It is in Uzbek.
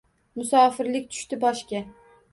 Musofirlik tushdi boshga